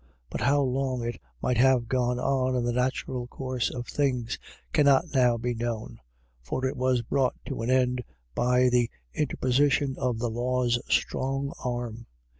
But how long it might have gone on in the natural course of things cannot now be known, for it was brought to an end by the interposition of the law's strong arm.